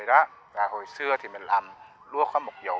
rồi hồi xưa thì mình làm lúa có một vũ